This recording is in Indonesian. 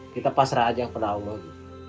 kita pasrah aja kepada allah gitu